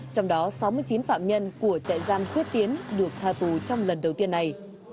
trong đó sáu mươi chín phạm nhân của trại giam quyết tiến được tha tù trong lần đầu tiên này